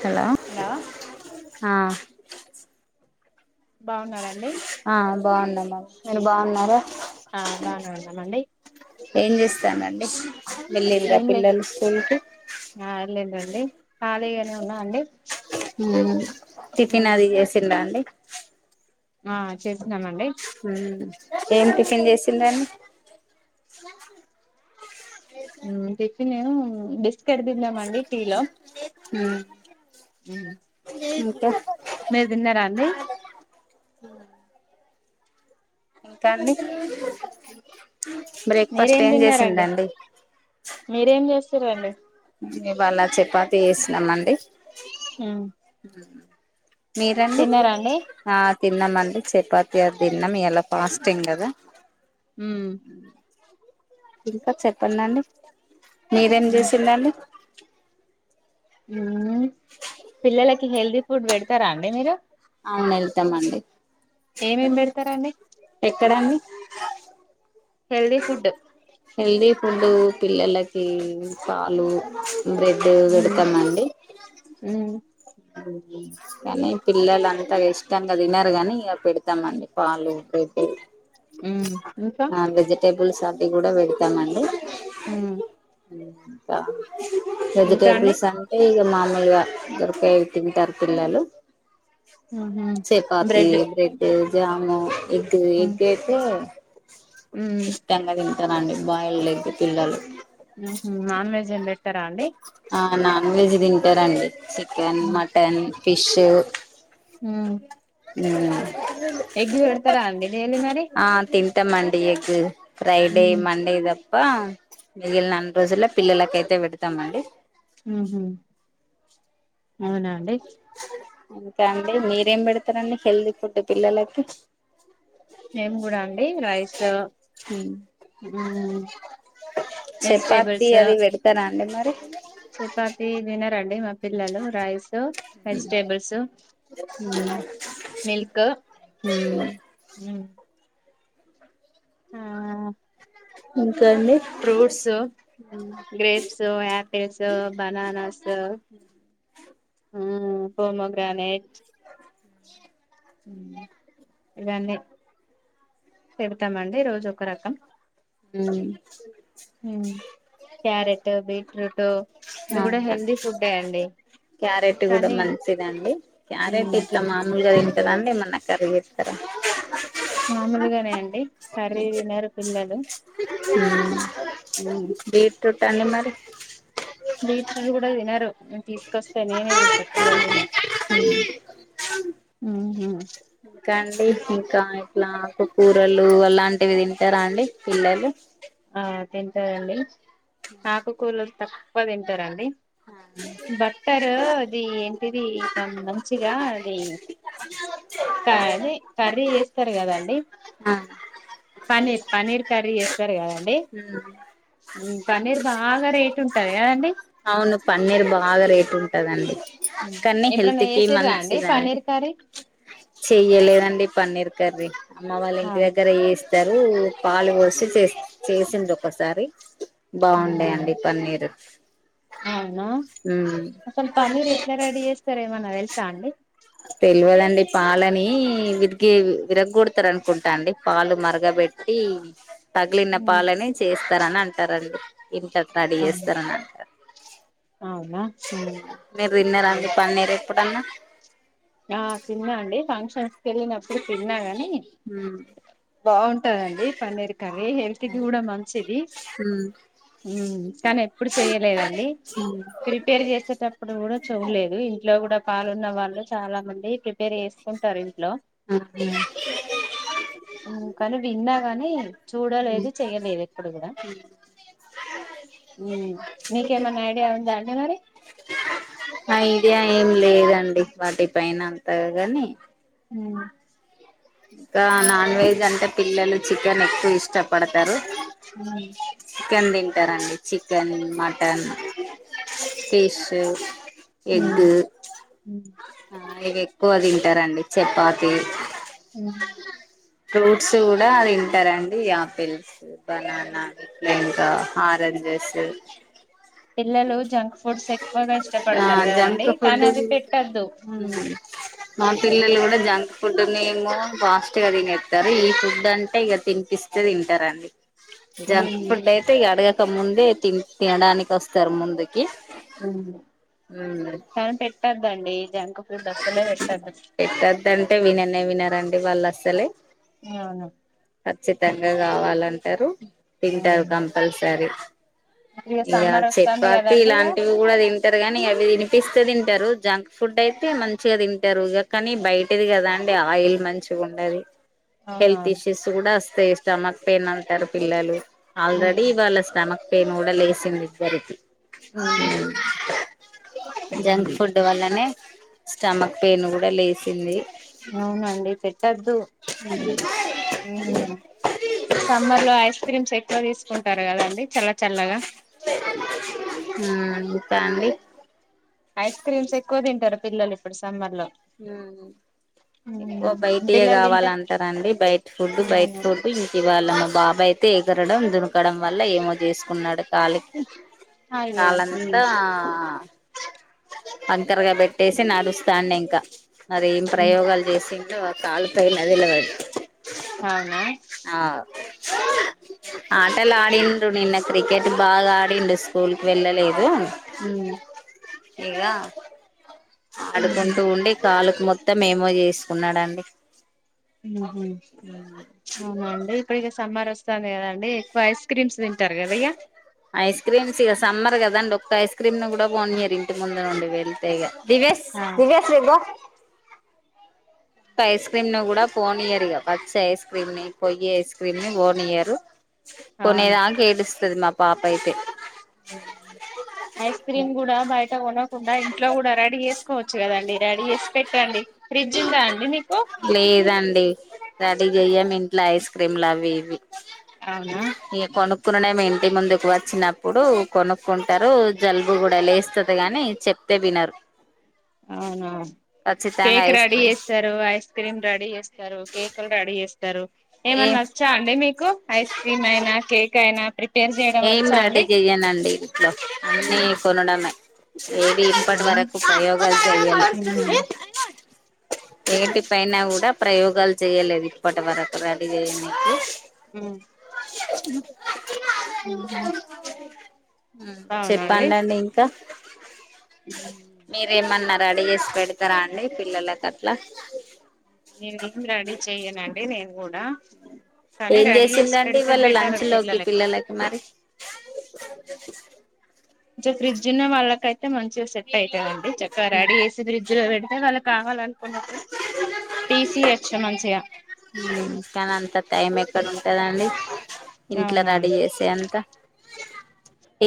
hello ఆ బాగున్నారండి ఆ బాగుంనము మీరు బాగున్నారా ఆ బానే ఉన్నా మండి ఏం చేస్తానండి వెళ్లిండ్రా ఏం లే పిల్లలు స్కూల్కి ఆ లేదండి ఖాళీగానే ఉన్నా అండి మ్ టిఫిన్ అది చేసిండా అండి ఆ చె హుమ్ ఏం టిఫిన్ చేసిందండి మ్ టిఫిను బిస్కెట్ తిన్నామండి టీ లో ఇంకా మీరు తిన్నారా అండి హ ఇంకా అండి బ్రేక్ఫాస్ట్ మీరేం ఏం తిన్నారండి చేసిందండి సరే అండి మేము ఇవాళ చపాతీ చేసినం అండి ఉమ్ మీరండి ఆ తిన్నాం అండి చపాతీ అది తిన్నాం ఇయల ఫాస్టింగ్ కదా ఉమ్ ఇంకా చెప్పండండి మీరేం చేస్ పిల్లలకి హెల్దీ ఫుడ్ పెడతారా అండి మీరు ఆమ్ పెడతమండి ఏమేమి పెడతారండి ఎక్కడండి హెల్ది ఫుడ్ హెల్తీ ఫుడ్ పిల్లలకి పాలు బ్రెడ్ ఉమ్ పెడతామండి ఉమ్ కానీ పిల్లలు అంతా ఇష్టంగా తినరు కాని ఇక పెడతామండి పాలు పె రుగు ఇంకా ఆ వెజిటేబుల్స్ అవ్వి కూడా పెడతామండి ఉమ్ కా ఇంకా అండి వెజిటేబల్స్ అంటే ఇగ మామూలుగా దో కెవి తింటారు పిల్లలు ఉహు చపాతి బ్రెడ్ జాము ఎగ్గు ఉమ్ ఎగ్ అయితే ఉమ్ ఇష్టంగా తింటారండి బాయిల్డ్ ఎగ్ పిల్లలు ఉమ్ హు నాన్ వెజ్ ఏం పెట్టారా అండి ఆ నాన్ వెజ్ తింటారండి చికెన్ మటన్ ఫిష్ ఉమ్ ఉమ్ ఎగ్ పెడతారా అండి డైలీ మరి ఆ తిన్ తింటామండి ఎగ్ మండే మండేదప్పా మిగిలిన అన్ని రోజుల్లో పిల్లలకయితే పెడతామండి ఉమ్ హు అవునా అండి ఇంకా అండి మీరేం పెడతారండి హెల్దీ ఫుడ్ పిల్లలకి మేం కూడా అండి రైస్ మ్ చపాతి వెజిటేబుల్స్ అది పెడతారా అండి మరి చపాతి తినరండి మా పిల్లలు రైస్ వెజిటేబుల్స్ మిల్క్ ఉమ్ ఉమ్ ఆ ఉమ్ ఫ్రూట్స్ గ్రేప్సు ఆపిల్స్ బననాస్ హ్మ్ ప్రోమోగానేట్ దండి పేడ్తామండి రోజు ఒక రకం హ్మ్ క్యారెట్ బీట్రూటు ఇది కూడా అవునా హెల్దీ ఫుడ్డే అండి క్యారెట్ కూడా కానీ మంచిదండి క్యారెట్ ఇట్లా మామూలుగా తింటనంటే ఏమన్నా కర్రీ చేస్తారా మామూలుగానే అండి కర్రీ తినరు పిల్లలు బీట్రూట్ అండి మరి బీట్రూట్ కూడా తినరూ తీసుకొస్తే నేనే తింటా పిలల్ తి [unintelligible] ఉహు ఇంకా అండి ఇంకా ఇట్లా ఆకూరలు అలాంటివి తింటారా అండి పిల్లలు ఆ తింటారండి ఆకుకూరలు తక్కువ తింటారండి బట్టరు అది ఎంటిది మంచిగా అది అదే కర్రీ చేస్తారు కదండి ఆ పనీర్ పనీర్ కర్రీ చేస్తారేమో హా పన్నీర్ బాగా రేట్ ఉంటది కదా అండి అవును పన్నీర్ బాగా రేటు ఉంటదండి కానీ ఎప్పుడన్నా హెల్త్ కి చేసిర్రా అండి మంచిదండి పన్నీర్ కర్రీ చెయ్యలేదండి పన్నీర్ కర్రీ అమ్మ వాళ్ళ ఇంటి దగ్గర చెస్ టరూ పాలు పోసి చేస్ చేసింది ఒకసారి బాగుండే ఆహా అండి పన్నీరు అవునా ఉమ్ అసలు పన్నీర్ ఎట్లా రెడీ చేస్తార్ ఏమన్నా తెలుసా అండి తెల్వదండి పాలని విరిగి విరగోడతారు అనుకుంటా అండి పాలు మరగబెట్టి తగిలిన పాలని చేస్తారని అంటారండి ఇంతడీ ఆ చేస్తారని అంటారు అవునా హ్మ్ మీరు తిన్నార అండి పన్నీరు ఎప్పుడన్నా ఆ తిన్నా అండి ఫంక్షన్స్కి వెళ్ళినప్పుడు తిన్నాగాని ఉమ్ బాగుం టాదండి పన్నీర్ కర్రీ హెల్త్ కూడా మంచిది హ్మ్ కనీ ఎప్పుడు చెయలేదండి ప్రిపేర్ చేసేటప్పుడు కూడా చూడలేదు ఇంట్లో కూడా పాలున్న వాళ్ళు చాలా మంది ప్రిపేర్ చేసుకుంటారు ఇ అహా కానీ విన్నా గాని చూడలేదు చెయలేదు ఎప్పుడు కూడా ఉ మీకేమన్నా ఐడియా ఉందాండి మరి ఐడియా ఏం లే డి వాటి పైన అంత గాని హ్మ్ ఇంకా నాన్ వెజ్ అంటే పిల్లలు చికెన్ ఎక్కువ ఇష్టపడతారు అ తరండి చికెన్ మటన్ ఫిషూ హ్మ్ టారండి చపాతి ఫ్రూట్స్ కూడా అది టారండి ఆపిల్స్ బనానా ఇంకా ఆరెంజెస్ పిల్లలు జంక్ ఫుడ్స్ ఎక్కువగా ఆ ఇష్టపడతారు కదండి జంక్ కానీ ఫుడ్ అవ్వీ పెట్టద్దు మా పిల్లలు కూడా జంక్ ఫుడ్డూనేమో ఫాస్ట్గా తినే టారు ఈ ఫుడ్ అంటే ఇక తినిపిస్తే తింటారండి జంక్ ఫుడ్ అయితే ఇ అడగ గక ముందే తిం తినడానికి వస్తారు ముందుకి సౌన్ పెట్టద్దండి జంక్ ఫుడ్ అసలే పెట్టద్దు పెట్టద్దంటే విననే వినరండి వాళ్ళ అసలే అవును ఖచ్చితంగా కావాలంటరు తింటరు కంపల్సరీ ఇక ఇగ సమ్మర్ వస్తాంది చపాతి కదండి ఇక ఇలాంటివి కూడా తిన్ తింటారు గానీ అవి వినిపిస్తే తింటారు జంక్ ఫుడ్ అయితే తే మంచిగ తింటరు కానీ బయటది కదా అండి ఆయిల్ మంచిగుండది హెల్త్ అవునవును ఇష్యూస్ కూడా వస్తాయి స్టమక్ పెయిన్ అంటరు పిల్లలు ఆల్రెడీ ఇవాళ స్టమక్ పెయిన్ కూడా లేసింది ఇద్దరికీ ఊ జంక్ ఫుడ్ వల్లనే స్టమక్ పెయిన్ కూడా లేసింది అవున అండి పెట్ ట్టదు ఊ ఈ సమ్మర్ లో ఐస్ క్రీమ్స్ ఎక్కువ తీసు కుంటరు కదండి చల్ల చల్లగా ఊ ఇంకా అండి ఐస్ క్రీమ్స్ ఎక్కువ తింటరు పిల్లలు ఇప్పుడు సమ్మర్ లో ఊ ఎక్కువ బయటియే పిల్లలు తింటే కావాలంటారండి బయట ఫుడ్ బయట ఫుడ్ ఇంక ఇవ్వాల మ బాబా ఐ ఎగరడం దునకడం వల్ల ఏమో చేసుకున్నాడు కాలికి అయ్యో కాాలంతా వంకర్గా బెట్ ట్టేసి నడుస్తాండి ఇంకా మరి ఏం ప్రయోగాలు చేసింటో కాలుపైన డెలవది అవునా ఆవ్ ఆని ఆడిండు నిన్న క్రికెట్ బాగా ఆడిండు స్కూల్కి వెళ్ళలేదు ఊ ఇగా ఆడుకుంటూ ఉండి కాలుకు మొత్తం ఏమో చేసుకున్నాడండి ఊహు అవున అండీ ఇప్పటికే సమ్మర్ వస్తంది కద అండి ఎకువ ఐస్ క్రీమ్స్ తింటారు కదా ఇక ఐస్ క్రీమ్ ఇగ సమ్మర్ కదండి ఒక్క ఐస్ క్రీమ్ ను కూడా పోనియారు ఇంటి ముందు నుండి వెళ్తే ఇగ దివేస్ ఆ దివ్య శ్రీ వా ఒక ఐస్ క్రీమ్ ను కూడా పోనీయ్యరు ఇగ వచ్చె ఐస్ క్రీమ్ ని పొయ్యే ఐస్ క్రీమ్ ని పోనియరు అవును కొనేదాక ఏడుస్తది మా పాప అయితే ఊ ఐస్ క్రీమ్ కూడా బయట కొనం కుండా ఇంట్లో కూడా రెడీ చేసుకోవచ్చు కదండి రెడీ చేసి పెట్టండి ఫ్రిడ్జ్ ఉందా అండి నీకు లేదండి రెడీ చెయ్యం ఇంట్ల ఐస్ క్రీమ్లు అవి ఇవి అవున ఇగ కొనుక్కుడమి ఇంటి ముందుకు వచ్చినప్పుడు కొనుక్కుంటారు జలుబు కూడా లేస్తది తే గాని చెప్తే వినరు ఆవునా ఖచ్చితంగా కేక్ ఐస్ రెడీ క్రీమ్ చేస్తారు ఐస్ క్రీమ్ రెడీ చేస్తారు కేకులు రెడీ చేస్తారు తరు ఏమన్న ఏం వచ్చా అండి మీకు ఐస్ క్రీమ్ అయినా కేక్ అయినా ప్రిపేర్ చేయడం వచ్చా అండీ చెయనండి ఇంట్లో అన్ని కొనడమే ఏది ఇప్పటి అంతేనా వరకు ప్రయోగాలు చెయలె ఏటి పైనా కూడా ప్రయోగాలు చేయలేదు ఇప్పటి వరకు రెడీ చేయనికి ఊ ఊహు ఊ చెప్పడండి ఇంకా మీరేమన్నా రెడీ చేసి పెడతారా అండి పిల్లలకు అట్లా నేనేం రెడీ చెయనండి నేను కూడా కానీ ఏం రెడీ చేసింది చేసి అండి పెడితే ఇవాళ బెటర్ లంచ్ లోకి పిల్లలకి మరి జో ఫ్రిడ్జ్ ఉన్న వాళ్ళకైతే మంచిగా సెట్ అయితాదండి చక్కగా రెడీ చేసి ఫ్రిజ్లో పేడితే వాళ్ళు కావాలనుకున్నప్పుడు తీసి హెచ్ మంచిగా ఇంకా అనంత టైం ఎక్కడ ఉంటాడండి ఇంట్లో రెడీ అవునవును చేసే అంత ఏ